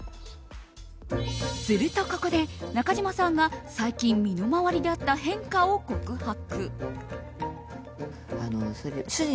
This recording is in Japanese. すると、ここで中島さんが最近、身の回りであった変化を告白。